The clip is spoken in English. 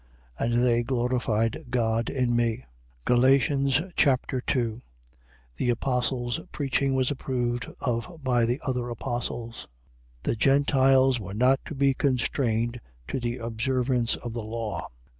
1:24. And they glorified God in me. Galatians Chapter 2 The apostle's preaching was approved of by the other apostles. The Gentiles were not to be constrained to the observance of the law.